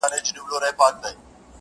خپه وې چي وړې ؛ وړې ؛وړې د فريادي وې؛